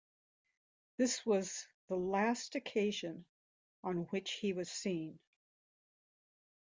This was the last occasion on which he was seen.